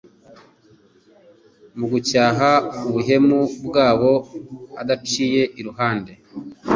Mu gucyaha ubuhemu bwabo adaciye iruhande,